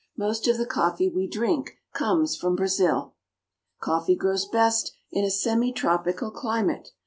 Most of the coffee we drink comes from Brazil. Coffee grows best in a semitropical climate.